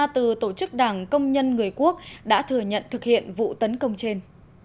tổ chức đảng công nhân người quốc đã thừa nhận thực hiện vụ tấn công trên